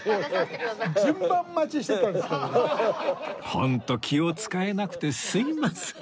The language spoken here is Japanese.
ホント気を使えなくてすいません